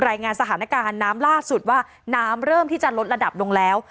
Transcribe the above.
รายงานสถานการณ์น้ำล่าสุดว่าน้ำเริ่มที่จะลดระดับลงแล้ว